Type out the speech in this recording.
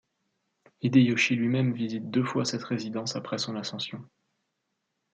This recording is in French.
Hideyoshi lui-même visite deux fois cette résidence après son ascension.